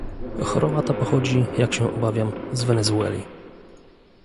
Choroba ta pochodzi, jak się obawiam, z Wenezueli